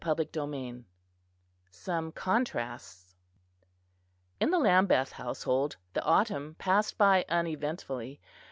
CHAPTER VI SOME CONTRASTS In the Lambeth household the autumn passed by uneventfully.